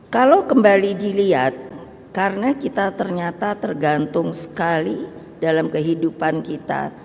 kalau kembali dilihat karena kita ternyata tergantung sekali dalam kehidupan kita